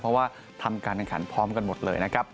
เพราะว่าทำการแข่งขันพร้อมกันหมดเลยนะครับ